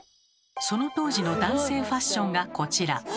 その当時の男性ファッションがこちら。